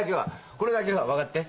これだけは分かって。